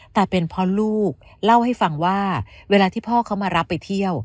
แต่เป็นเพราะลูกเล่าให้ฟังว่าเวลาที่พ่อเขามารับไปเที่ยว